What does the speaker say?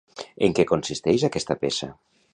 En què consisteix aquesta peça?